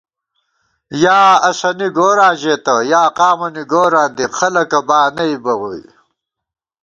یا اسَنی گوراں ژېتہ یا قامَنی گوراں دی خلَکہ بانَئیبہ ووئی